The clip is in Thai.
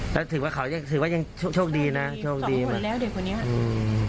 แล้วถือว่าเขายังถือว่ายังโชคดีนะโชคดีมากแล้วเด็กคนนี้อืม